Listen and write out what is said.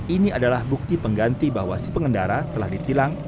ini adalah bukti pengganti bahwa si pengendara telah ditilang